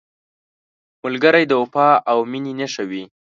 ملګری د وفا او مینې نښه وي